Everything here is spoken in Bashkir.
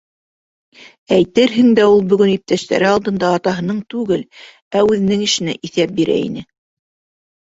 Әйтерһең дә, ул бөгөн иптәштәре алдында атаһының түгел, ә үҙенең эшенә иҫәп бирә ине.